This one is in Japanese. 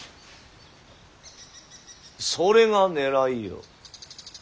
それがねらいよ。